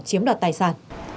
chiếm đoạt tài sản